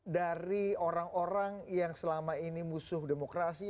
dari orang orang yang selama ini musuh demokrasi